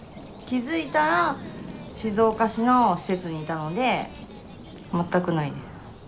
気付いたら静岡市の施設にいたので全くないです。